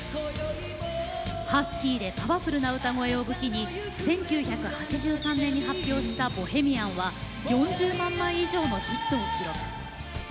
ハスキーでパワフルな歌声を武器に１９８３年に発表した「ボヘミアン」は４０万枚以上のヒットを記録。